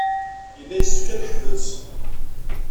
Yella yessefk ad neḥbes.